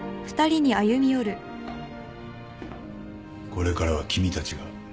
これからは君たちが。